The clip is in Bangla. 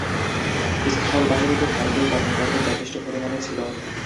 স্থলবাহিনীতে ভারতীয় কর্মকর্তা যথেষ্ট পরিমাণে ছিলো।